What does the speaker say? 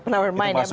open our mind ya